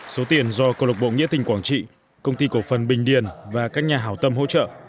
số tiền do cộng lộc bộ nghĩa tỉnh quảng trị công ty cổ phần bình điền và các nhà hảo tâm hỗ trợ